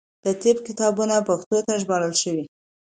د طب کتابونه پښتو ته ژباړل شوي.